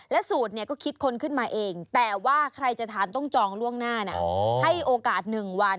สูตรเนี่ยก็คิดค้นขึ้นมาเองแต่ว่าใครจะทานต้องจองล่วงหน้านะให้โอกาส๑วัน